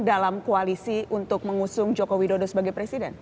dalam koalisi untuk mengusung joko widodo sebagai presiden